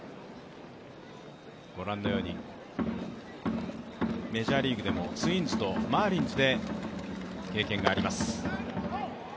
ご覧のように、メジャーリーグでもツインズとマーリンズで経験があります。